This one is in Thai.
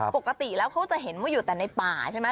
ปกติแล้วเขาจะเห็นว่าอยู่แต่ในป่าใช่ไหม